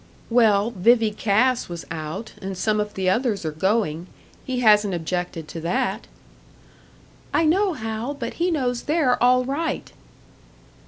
"Well, Vivie Cass was out, and some of the others are going. He hasn't objected to that." "I know, Hal. But he knows they're all right."